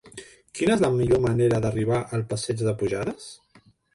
Quina és la millor manera d'arribar al passeig de Pujades?